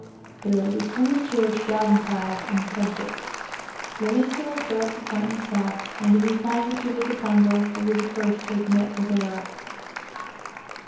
But it would be premature to dogmatise on the subject. Livingstone will clear up the point himself; and if he finds it to be the Congo, will be the first to admit his error.